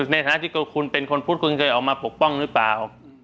ในฐานะที่คุณเป็นคนพุทธคุณเคยออกมาปกป้องหรือเปล่า